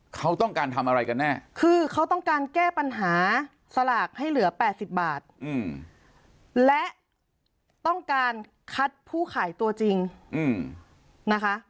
เขาต้องการทำอะไรกันแน่คือเขาต้องการแก้ปัญหาสลากให้เหลือ๘๐บาทและต้องการคัดผู้ขายตัวจริงนะคะ